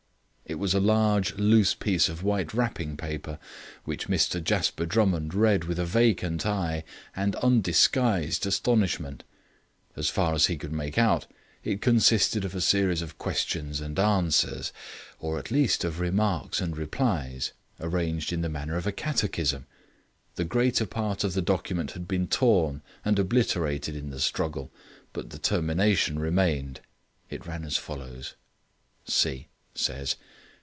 It was a large loose piece of white wrapping paper, which Mr Jasper Drummond read with a vacant eye and undisguised astonishment. As far as he could make out, it consisted of a series of questions and answers, or at least of remarks and replies, arranged in the manner of a catechism. The greater part of the document had been torn and obliterated in the struggle, but the termination remained. It ran as follows: C. Says...